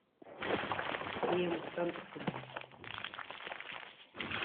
Teníamos tantos planes.